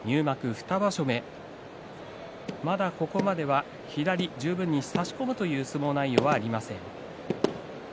２場所目まだ、ここまでは左を十分に差し込むという相撲内容はありません。